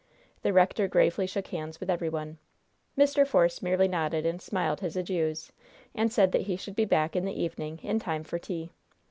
The rector gravely shook hands with every one. Mr. Force merely nodded and smiled his adieus, and said that he should be back in the evening in time for tea.